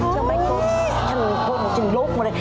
ทำไมกดฉันขึ้นลุกหมดเลย